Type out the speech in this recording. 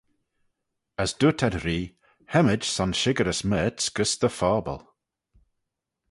As dooyrt ad r'ee, Hem mayd son shickyrys mayrts gys dty phobble.